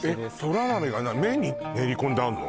そら豆が麺に練り込んであるの？